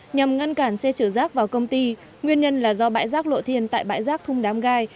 nhằm ngăn cản xe chở rác vào công ty nguyên nhân là do bãi rác lộ thiên tại bãi rác thung đám gai